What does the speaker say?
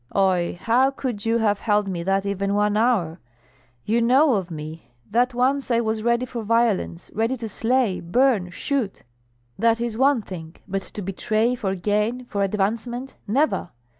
"Oi, how could you have held me that even one hour? You know of me, that once I was ready for violence, ready to slay, burn, shoot; that is one thing, but to betray for gain, for advancement, never!